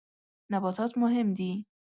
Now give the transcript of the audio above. نباتات مهم دي.